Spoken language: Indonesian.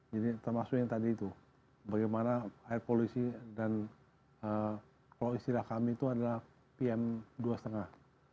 jadi termasuk yang tadi itu bagaimana air polusi dan kalau istilah kami itu adalah pm dua setengah